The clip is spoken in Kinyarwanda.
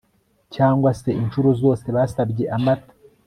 cyangwa se incuro zose basabye amata